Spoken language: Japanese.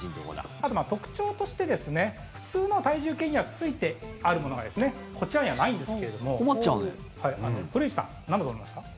あと特徴として普通の体重計にはついているものがこちらにはないんですけれども古市さん、なんだと思いますか？